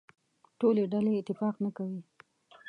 ټولې ډلې اتفاق نه کوي.